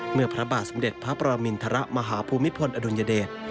เมื่อพระบาทสำเด็จพระปรามิณฑระมหาภูมิภลอดุลยเดช